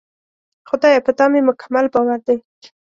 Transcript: خدایه! په تا مې مکمل باور دی.